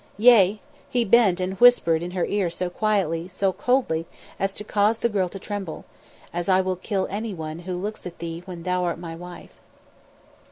Yea!" He bent and whispered in her ear so quietly, so coldly as to cause the girl to tremble. "As I will kill anyone who looks at thee when thou art my wife."